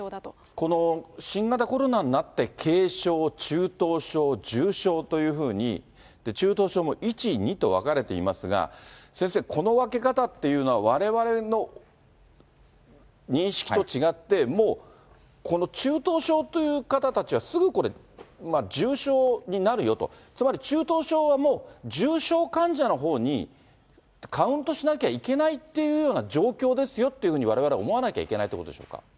この新型コロナになって、軽症、中等症、重症というふうに、中等症も１、２と分かれていますが、先生、この分け方っていうのは、われわれの認識と違って、もうこの中等症という方たちは、すぐこれ、重症になるよと、つまり、中等症はもう、重症患者のほうにカウントしなきゃいけないっていうような状況ですよっていうふうに、われわれは思わなきゃいけないってことでしょうか。